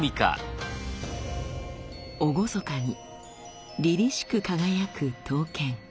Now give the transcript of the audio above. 厳かにりりしく輝く刀剣。